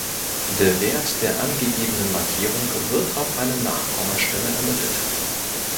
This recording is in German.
Der Wert der angegebenen Markierung wird auf eine Nachkommastelle ermittelt.